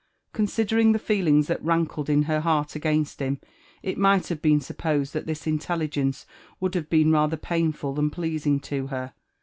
Considering the feeling that rankled in her heart against him, it night have been supposed that this iBfelligenee would have been ra^ Iher painful than pleasing to her.